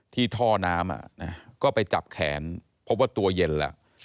ท่อน้ำก็ไปจับแขนพบว่าตัวเย็นแล้ว